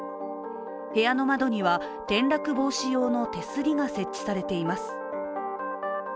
部屋の窓には転落防止用の手すりが設置されています。